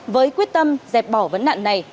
với quyết tâm dẹp bỏ vấn nạn này